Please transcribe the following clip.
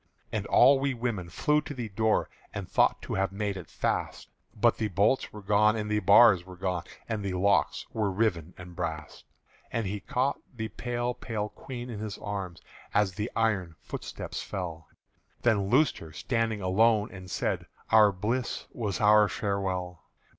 And all we women flew to the door And thought to have made it fast; But the bolts were gone and the bars were gone And the locks were riven and brast. And he caught the pale pale Queen in his arms As the iron footsteps fell, Then loosed her, standing alone, and said, "Our bliss was our farewell!"